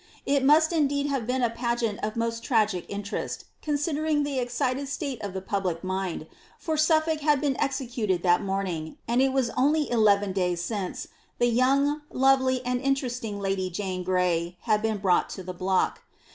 It must indeed have been a pageant of almost tragic interest, considering the excited state of the public mind, for Suffolk had been executed that morning, and it was only eleven days since the young, lovely, and interesting lady Jane Gray had been brought to the block.